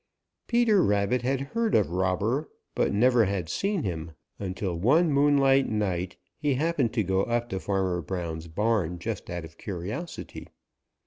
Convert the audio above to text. Peter Rabbit had heard of Robber but never had seen him until one moonlight night he happened to go up to Farmer Brown's barn just out of curiosity.